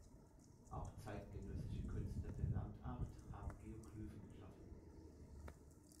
Auch zeitgenössische Künstler der Land Art haben Geoglyphen geschaffen.